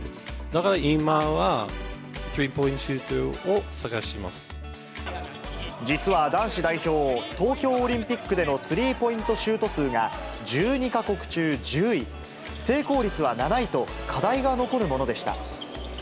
だから、今はスリーポイントシュ実は男子代表、東京オリンピックでのスリーポイントシュート数が１２か国中１０位、成功率は７位と、課題が残るものでした。